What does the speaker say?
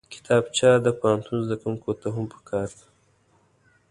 کتابچه د پوهنتون زدکوونکو ته هم پکار ده